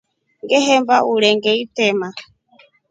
Ngehemba ungere itrema.